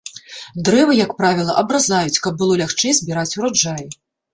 Дрэвы, як правіла, абразаюць, каб было лягчэй збіраць ураджай.